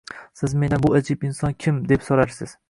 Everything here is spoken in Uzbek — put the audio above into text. Siz mendan: «Bu ajib inson kim?» deb so’rarsiz.